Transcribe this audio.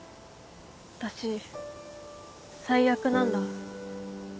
私最悪なんだ。